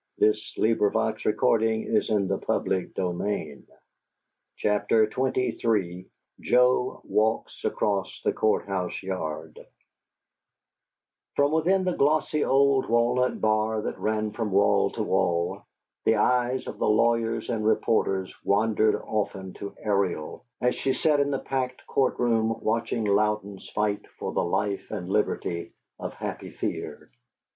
"It's a damn lie!" he roared. "Martin Pike owns Beaver Beach!" XXIII JOE WALKS ACROSS THE COURT HOUSE YARD From within the glossy old walnut bar that ran from wall to wall, the eyes of the lawyers and reporters wandered often to Ariel as she sat in the packed court room watching Louden's fight for the life and liberty of Happy Fear.